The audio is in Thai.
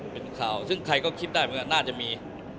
เป็นข่าวซึ่งใครก็คิดได้เหมือนกันน่าจะมี